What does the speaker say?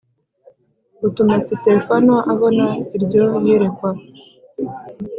utuma Sitefano abona iryo yerekwa